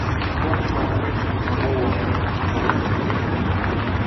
kwani hawawezi kutambua kwa kweli kweli